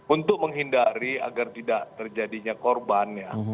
untuk menghindari agar tidak terjadinya korban ya